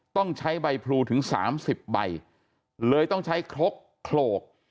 ต้องใช้ใบพลูถึง๓๐ใบเลยต้องใช้ครกโขลก